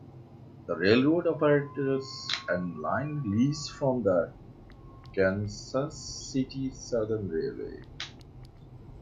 The railroad operates an line leased from the Kansas City Southern Railway.